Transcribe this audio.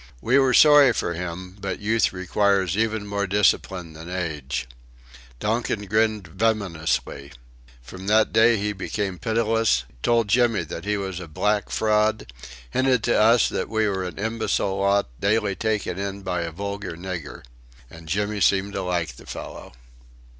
We were sorry for him, but youth requires even more discipline than age. Donkin grinned venomously. From that day he became pitiless; told Jimmy that he was a "black fraud"; hinted to us that we were an imbecile lot, daily taken in by a vulgar nigger. And Jimmy seemed to like the fellow!